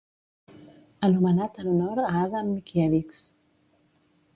Anomenat en honor a Adam Mickiewicz.